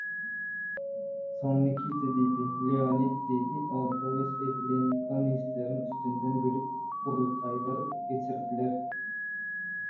Soň Nikita diýdi, Leonid diýdi ol höwes edilen kommunistleriň üstünden gülüp gurultaýlar geçirdiler.